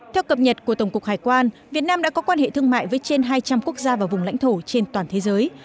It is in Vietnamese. theo cập nhật của tổng cục hải quan việt nam đã có quan hệ thương mại với trên hai trăm linh quốc gia và vùng lãnh thổ trên toàn thế giới